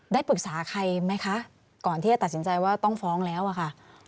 ได้ปรึกษาใครไหมคะก่อนที่จะตัดสินใจว่าต้องฟ้องแล้วอะค่ะ